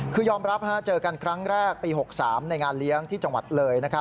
คือยอมรับเจอกันครั้งแรกปี๖๓ในงานเลี้ยงที่จังหวัดเลย